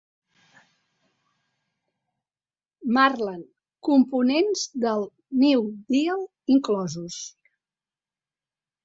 Marland, components del New Deal inclosos.